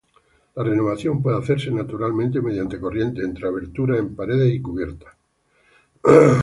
La renovación puede hacerse naturalmente mediante corrientes entre aberturas en paredes y cubiertas.